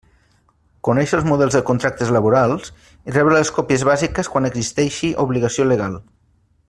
Conèixer els models de contractes laborals i rebre les còpies bàsiques quan existeixi obligació legal.